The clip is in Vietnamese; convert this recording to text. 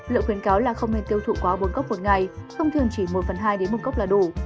liệu khuyến cáo là không nên tiêu thụ quá bốn cốc một ngày thông thường chỉ một phần hai đến một cốc là đủ